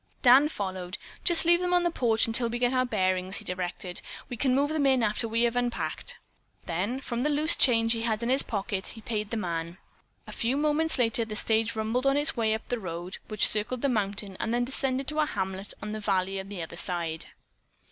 Dan followed. "Just leave them on the porch until we get our bearings," he directed. "We can move them in after we have unpacked." Then, from the loose change that he had in his pocket, he paid the man. A few moments later the stage rumbled on its way up the road, which circled the mountain and then descended to a hamlet in the valley on the other side.